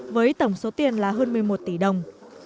với tổng số tiền là hơn một mươi một tỷ đồng